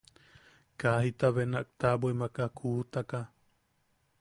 Kaa jita benak taʼabwimak a kuutaka.